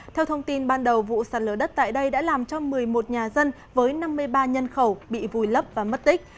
theo thông tin ban đầu vụ sạt lở đất tại đây đã làm cho một mươi một nhà dân với năm mươi ba nhân khẩu bị vùi lấp và mất tích